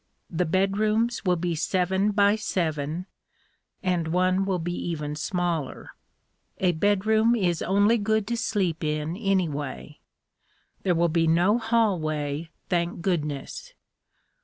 The bedrooms will be seven by seven, and one will be even smaller. A bedroom is only good to sleep in, anyway. There will be no hallway, thank goodness.